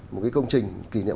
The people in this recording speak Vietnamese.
một cái công trình kỷ niệm